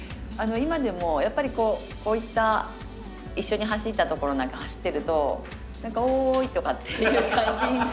今でもやっぱりこういった一緒に走ったところなんか走ってると何か「おい」とかっていう感じになりますね。